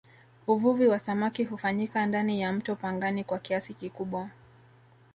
uvuvi wa samaki hufanyika ndani ya mto pangani kwa kiasi kikubwa